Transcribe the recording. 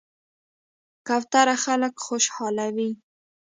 کوتره خلک خوشحالوي.